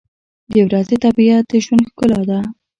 • د ورځې طبیعت د ژوند ښکلا ده.